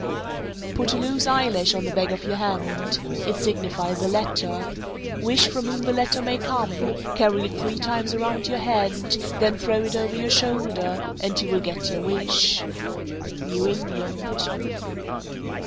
_ 439. Put a loose eyelash on the back of your hand. It signifies a letter. Wish from whom the letter may come, carry it three times around your head, then throw it over your shoulder, and you will get your wish. _New England.